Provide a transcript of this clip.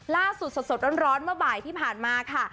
ล่าสุดสดร้อนเมื่อบ่ายที่ผ่านมาค่ะ